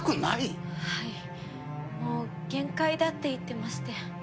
もう限界だって言ってまして。